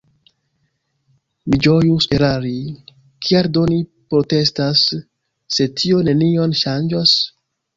Mi ĝojus erari … Kial do ni protestas, se tio nenion ŝanĝos?